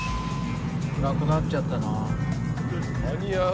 暗くなっちゃったな。